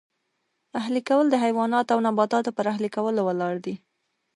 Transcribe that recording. اهلي کول د حیواناتو او نباتاتو پر اهلي کولو ولاړ دی